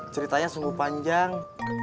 ceritanya sungguh panjang